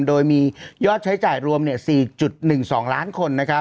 โดยมียอดใช้จ่ายรวม๔๑๒ล้านคน